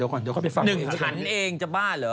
หนึ่งฉันเองจะบ้าเหรอ